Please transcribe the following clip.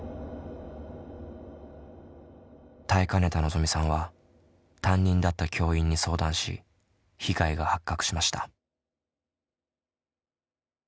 耐えかねたのぞみさんは担任だった教員に相談し被害が発覚しました。